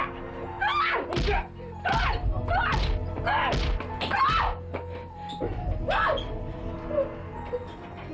keluar keluar keluar keluar keluar